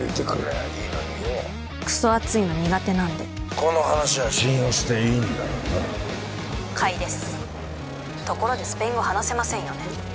あ☎いいのによクソ暑いの苦手なんで☎この話は信用していいんだろうな☎買いですところでスペイン語話せませんよね？